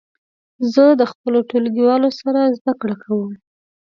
زه د خپلو ټولګیوالو سره زده کړه کوم.